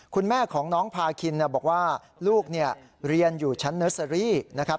คุณแม่ของน้องพาคินบอกว่าลูกเรียนอยู่ชั้นเนอร์เซอรี่นะครับ